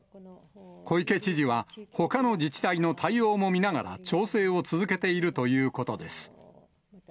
小池知事は、ほかの自治体の対応も見ながら、調整を続けているということです。